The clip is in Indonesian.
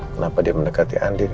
kenapa dia mendekati andin